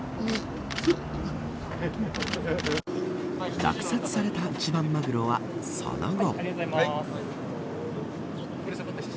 落札された一番マグロはその後。